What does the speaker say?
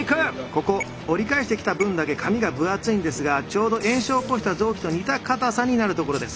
ここ折り返してきた分だけ紙が分厚いんですがちょうど炎症を起こした臓器と似た硬さになるところです。